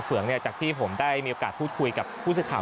เงืองจากที่ผมได้มีโอกาสพูดคุยกับผู้สื่อข่าว